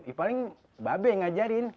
ya paling babek yang ngajarin